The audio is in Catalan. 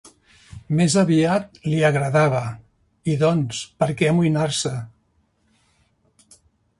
Més aviat li agradava, i doncs per què amoïnar-se